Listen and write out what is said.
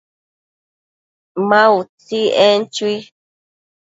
Ma utsi, en chui